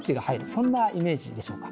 そんなイメージでしょうか。